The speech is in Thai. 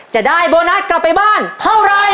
จะได้โบนัสกลับไปบ้านเท่าไร